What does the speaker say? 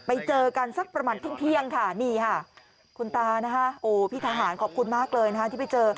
ไปเจอกันสักประมาณเที่ยงค่ะนี่ค่ะคุณตานะคะโอ้พี่ทหารขอบคุณมากเลยนะคะที่ไปเจอ